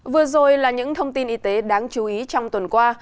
vừa rồi là những thông tin y tế đáng chú ý trong tuần qua